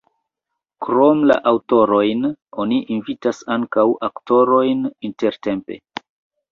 Krom la aŭtorojn oni invitas ankaŭ aktorojn intertempe.